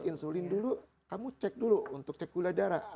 insulin dulu kamu cek dulu untuk cek gula darah